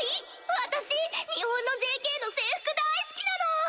私日本のＪＫの制服大好きなの！